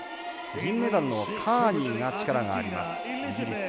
銀メダルのカーニーが力があります、イギリス。